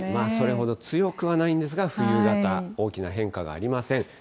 それほど強くはないんですが、冬型、大きな変化がありません。